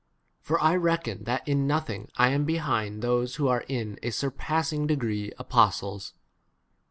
For I reckon that in nothing I am behind those who are in a surpassing degree apostles.